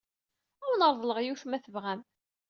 Ad awen-reḍleɣ yiwet ma tebɣam.